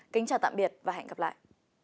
kính chào tạm biệt và hẹn gặp lại